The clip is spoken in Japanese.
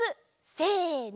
せの！